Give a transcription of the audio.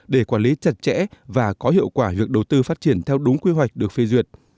để quản lý chặt chẽ và có hiệu quả việc đầu tư phát triển theo đúng quy hoạch được phê duyệt